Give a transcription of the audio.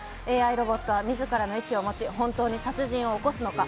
ＡＩロボットがみずからの意思を持ち本当に殺人を起こすのか。